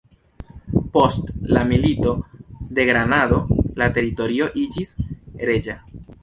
Post la Milito de Granado la teritorio iĝis reĝa.